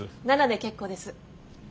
奈々で結構です。